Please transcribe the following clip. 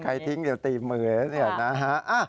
ใครทิ้งเดี๋ยวตีมือเนี่ยนะฮะ